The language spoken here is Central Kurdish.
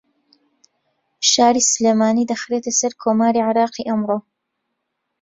شاری سلێمانی دەخرێتە سەر کۆماری عێراقی ئەمڕۆ